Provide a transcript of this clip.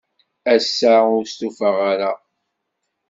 Ass-a, ur stufaɣ ara.